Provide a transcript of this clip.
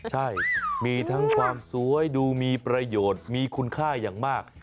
ใช่มีทั้งความสวยดูมีประโยชน์มีคุณค่าอย่างมาก